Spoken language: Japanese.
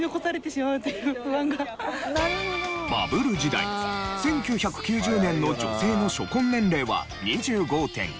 バブル時代１９９０年の女性の初婚年齢は２５．９歳。